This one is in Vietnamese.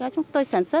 chúng tôi sản xuất